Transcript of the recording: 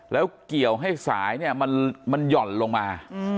แล้วเกี่ยวให้สายเนี่ยมันหย่อนลงมา